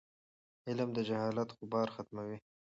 علم د جهالت غبار ختموي.